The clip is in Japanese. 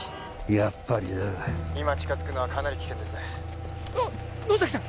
やっぱりな☎今近づくのはかなり危険ですあっ野崎さん！